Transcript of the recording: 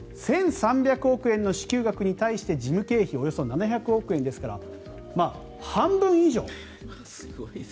１３００億円の支給額に対して事務経費およそ７００億円ですから半分以上。